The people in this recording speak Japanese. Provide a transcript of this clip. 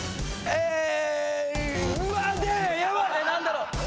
何だろう？